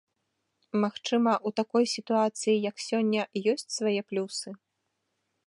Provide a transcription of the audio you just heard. Магчыма, у такой сітуацыі, як сёння, ёсць свае плюсы?